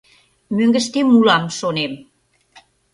Мӧҥгыштем улам, шонем.